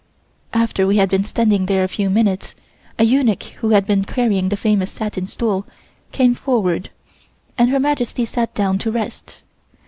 After we had been standing there a few minutes, a eunuch who had been carrying the famous satin stool, came forward, and Her Majesty sat down to rest.